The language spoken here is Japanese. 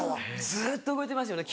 ずっと動いてますよね